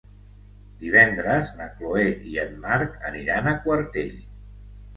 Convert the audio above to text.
Divendres na Chloé i en Marc aniran a Quartell.